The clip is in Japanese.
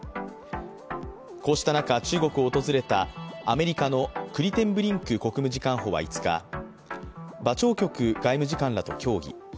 こうした中、中国を訪れたアメリカのクリテンブリンク国務次官補は５日馬朝旭外務次官らと協議。